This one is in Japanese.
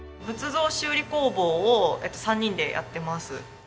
仏像修理工房を３人でやってます。